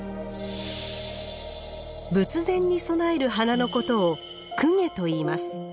仏前に備える花のことを「供華」といいます。